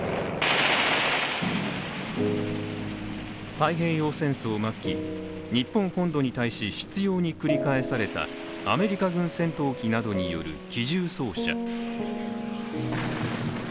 太平洋戦争末期、日本本土に対し執ように繰り返されたアメリカ軍戦闘機などによる機銃掃射。